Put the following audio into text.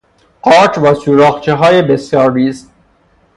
قارچ با سوراخچههای بسیار ریز